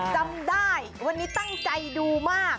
จำได้วันนี้ตั้งใจดูมาก